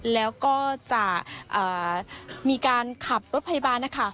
แล้วก็จะมีการขับรถพยาบาลนะคะ